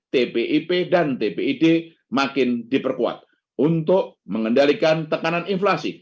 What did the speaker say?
tpip dan tpid makin diperkuat untuk mengendalikan tekanan inflasi